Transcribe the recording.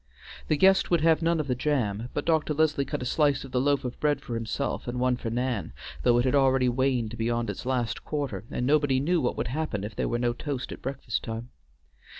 The guest would have none of the jam, but Dr. Leslie cut a slice of the loaf of bread for himself and one for Nan, though it had already waned beyond its last quarter, and nobody knew what would happen if there were no toast at breakfast time.